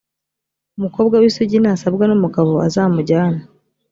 umukobwa w’isugi nasabwa n’umugabo azamujyane,